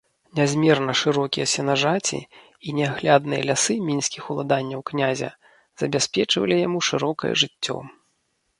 Нязмерна шырокія сенажаці і неаглядныя лясы мінскіх уладанняў князя забяспечвалі яму шырокае жыццё.